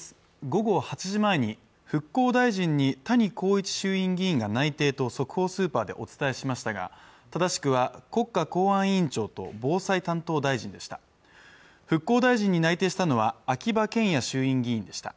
午後８時前に復興大臣に谷公一衆院議員が内定と速報スーパーでお伝えしましたが正しくは国家公安委員会と防災担当大臣でした復興大臣に内定したのは秋葉賢也衆院議員でした。